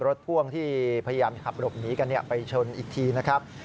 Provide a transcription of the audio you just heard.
พ่วงที่พยายามขับหลบหนีกันไปชนอีกทีนะครับ